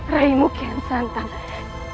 rai kukia yang santan